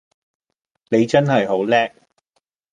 你真係好叻!